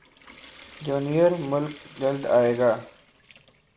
junior Malik جلد ائے گا